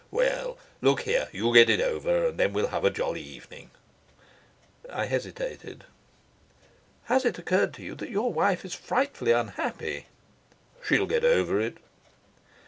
"Well, look here, you get it over, and then we'll have a jolly evening." I hesitated. "Has it occurred to you that your wife is frightfully unhappy?" "She'll get over it."